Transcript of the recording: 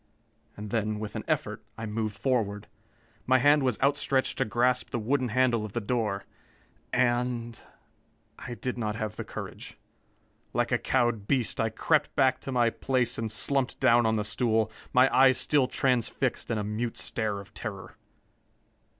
And then, with an effort, I moved forward. My hand was outstretched to grasp the wooden handle of the door. And I did not have the courage. Like a cowed beast I crept back to my place and slumped down on the stool, my eyes still transfixed in a mute stare of terror.